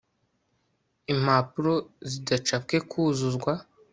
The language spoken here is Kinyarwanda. impapuro zidacapwe kuzuzwa